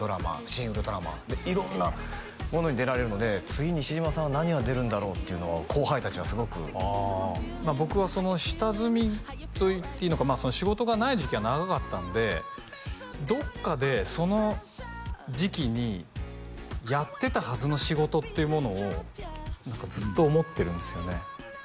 「シン・ウルトラマン」色んなものに出られるので次西島さんは何出るんだろうっていうのは後輩達はすごく僕は下積みと言っていいのか仕事がない時期が長かったんでどっかでその時期にやってたはずの仕事っていうものを何かずっと思ってるんですよね